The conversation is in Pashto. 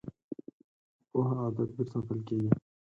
په پوهه او تدبیر ساتل کیږي.